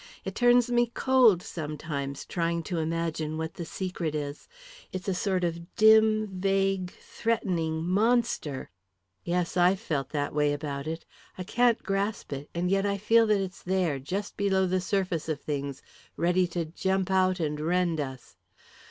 It turns me cold sometimes trying to imagine what the secret is. It's a sort of dim, vague, threatening monster." "Yes; I've felt that way about it. I can't grasp it, and yet I feel that it's there, just below the surface of things, ready to jump out and rend us.